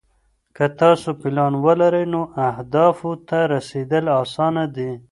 که تاسو پلان ولرئ نو اهدافو ته رسیدل اسانه دي.